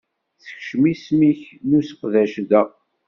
Sekcem isem-ik n useqdac da.